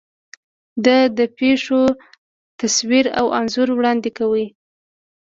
دا د پېښو تصویر او انځور وړاندې کوي.